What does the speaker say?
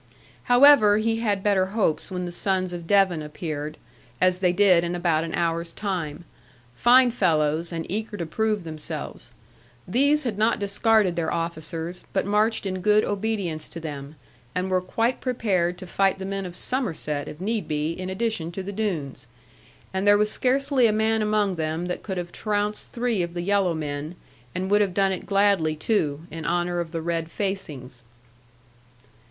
However, he had better hopes when the sons of Devon appeared, as they did in about an hour's time; fine fellows, and eager to prove themselves. These had not discarded their officers, but marched in good obedience to them, and were quite prepared to fight the men of Somerset (if need be) in addition to the Doones. And there was scarcely a man among them but could have trounced three of the yellow men, and would have done it gladly too, in honour of the red facings.